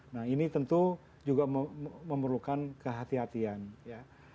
nah ini tentu juga memerlukan kehati hatian ya